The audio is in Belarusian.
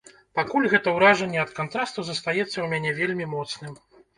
Пакуль гэта ўражанне ад кантрасту застаецца ў мяне вельмі моцным.